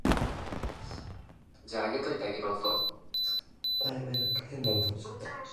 In older designs, the underflow gap had just one usable value, zero.